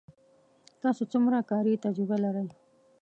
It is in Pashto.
تاسو څومره کاري تجربه لرئ